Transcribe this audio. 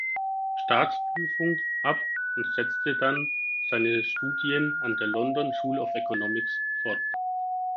Staatsprüfung ab und setzte dann seine Studien an der London School of Economics fort.